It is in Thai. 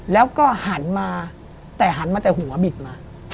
แล้วก็หันมาแต่หันมาแต่หัวบิดมา